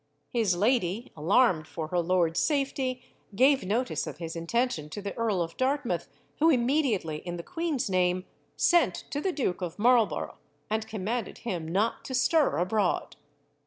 His lady, alarmed for her lord's safety, gave notice of his intention to the Earl of Dartmouth, who immediately, in the queen's name, sent to the Duke of Marlborough, and commanded him not to stir abroad.